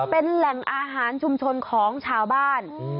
เป็นแหล่งอาหารชุมชนของชาวบ้าน